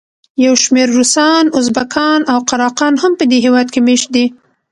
یو شمېر روسان، ازبکان او قراقان هم په دې هېواد کې مېشت دي.